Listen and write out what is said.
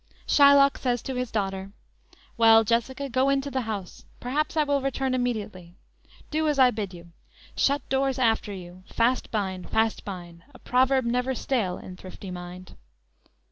Shylock says to his daughter: _"Well, Jessica, go in to the house, Perhaps I will return immediately; Do as I bid you; Shut doors after you; fast bind, fast find, A proverb never stale in thrifty mind."